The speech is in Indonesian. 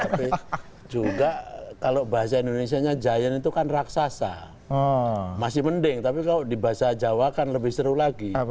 tapi juga kalau bahasa indonesia nya giant itu kan raksasa masih mending tapi kalau di bahasa jawa kan lebih seru lagi